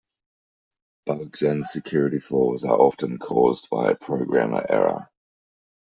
Bugs and security flaws are often caused by programmer error.